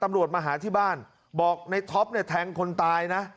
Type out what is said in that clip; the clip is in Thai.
ตำรวจมาหาที่บ้านบอกนายท็อปเนี่ยแทงค์คนตายนะ